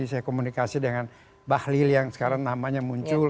saya komunikasi dengan bahlil yang sekarang namanya muncul